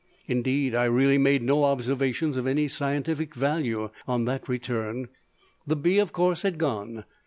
Indeed, I really made no observations of any scientific value on that return. The bee, of course, had gone.